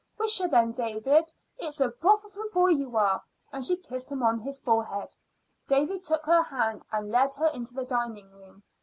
"Wisha, then, David, it's a broth of a boy, you are!" and she kissed him on his forehead. David took her hand and led her into the dining room.